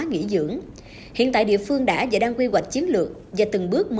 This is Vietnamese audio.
nghỉ dưỡng hiện tại địa phương đã và đang quy hoạch chiến lược và từng bước